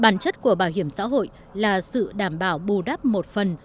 bản chất của bảo hiểm xã hội là sự đảm bảo bù đắp một phần